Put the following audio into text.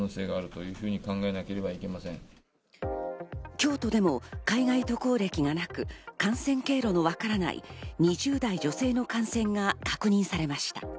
京都でも海外渡航歴がなく、感染経路のわからない２０代女性の感染が確認されました。